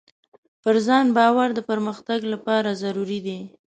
پر ځان باور د پرمختګ لپاره ضروري دی.